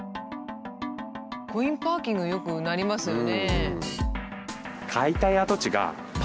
コインパーキングよくなりますよね。